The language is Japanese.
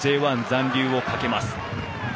Ｊ１残留を懸けます。